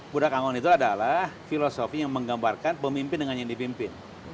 budak angon itu adalah filosofi yang menggambarkan pemimpin dengan kekuatan